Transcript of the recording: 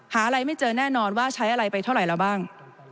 หาอะไรไม่เจอแน่นอนว่าใช้อะไรไปเท่าไหร่แล้วบ้าง